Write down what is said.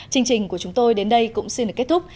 chương trình của chúng tôi đến đây cũng xin được kết thúc